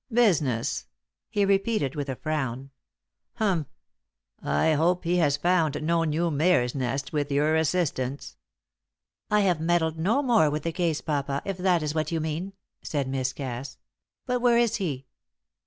Business!" he repeated, with a frown. "Humph! I hope he has found no new mare's nest with your assistance." "I have meddled no more with the case, papa, if that is what you mean," said Miss Cass. "But where is he?"